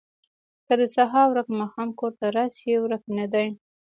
که د سهار ورک ماښام کور ته راشي، ورک نه دی.